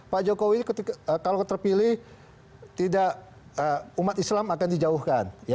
pak jokowi kalau terpilih tidak umat islam akan dijauhkan